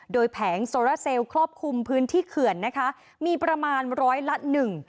โดยแผงโซราเซลครอบคลุมพื้นที่เขื่อนนะคะมีประมาณร้อยละหนึ่ง